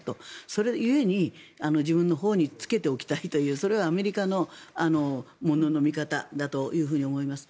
それ故に自分のほうにつけておきたいというそれがアメリカのものの見方だと思います。